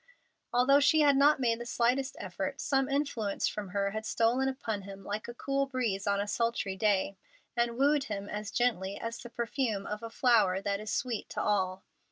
Although she had not made the slightest effort, some influence from her had stolen upon him like a cool breeze on a sultry day, and wooed him as gently as the perfume of a flower that is sweet to all.